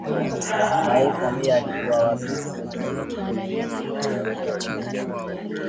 Rais Samia alikuwa wapi na anafanya nini katika muda wote wa ziara